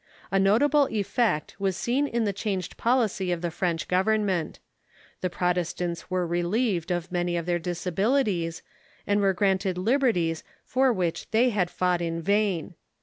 A notable effect was seen in the changed policy of the French government. The Prot estants were j elieved of many of their disabilities, and were granted liberties for which they had fought in vain.